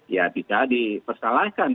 ya tidak dipersalahkan